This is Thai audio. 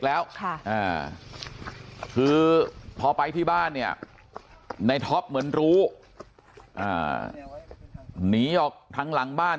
แล้วคือพอไปที่บ้านเนี่ยในท็อปเหมือนรู้หนีออกทางหลังบ้าน